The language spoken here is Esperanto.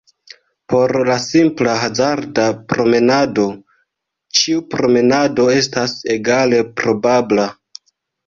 Por la simpla hazarda-promenado, ĉiu promenado estas egale probabla.